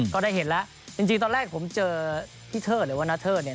ก็ได้เห็นแล้วจริงตอนแรกผมเจอพี่เทิดหรือว่านาเทิดเนี่ย